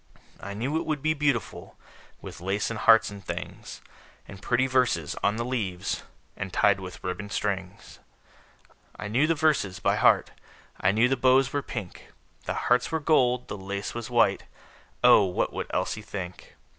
I knew it would be beautiful, With lace and hearts and things, And pretty verses on the leaves, And tied with ribbon strings. I knew the verses all by heart; I knew the bows were pink; The hearts were gold; the lace was white Oh, what would Elsie think!